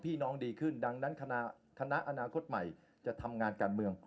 ดีขึ้นดังนั้นคณะอนาคตใหม่จะทำงานการเมือง